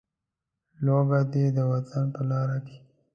لوږه دې د وطن په لاره کې.